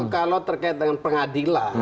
kalau terkait dengan pengadilan